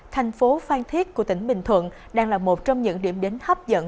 thành phố phan thiết của tỉnh bình thuận đang là một trong những điểm đến hấp dẫn